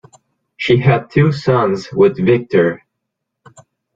She had two sons withVictor.